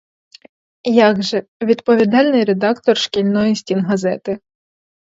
Як же: відповідальний редактор шкільної стінгазети.